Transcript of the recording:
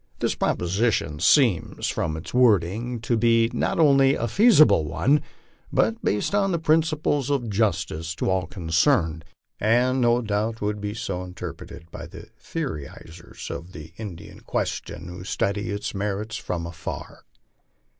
This proposition seems, from its wording, to be not only a feasible one, but based on principles of justice to all concerned, and no doubt would be so interpreted by the theorizers on the Indian question who study its merits from afar.